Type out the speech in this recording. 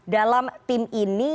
dalam tim ini